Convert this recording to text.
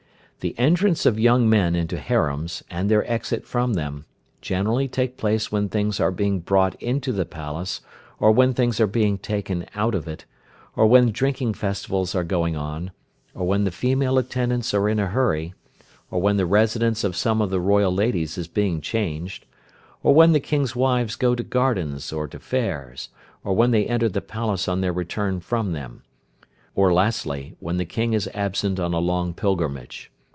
The entrance of young men into harems, and their exit from them, generally take place when things are being brought into the palace, or when things are being taken out of it, or when drinking festivals are going on, or when the female attendants are in a hurry, or when the residence of some of the royal ladies is being changed, or when the King's wives go to gardens, or to fairs, or when they enter the palace on their return from them; or, lastly, when the King is absent on a long pilgrimage.